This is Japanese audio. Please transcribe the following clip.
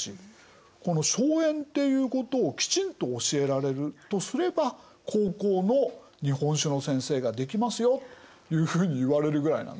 この荘園っていうことをきちんと教えられるとすれば高校の日本史の先生ができますよというふうにいわれるぐらいなんです。